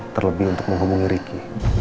terlebih untuk menghubungi ricky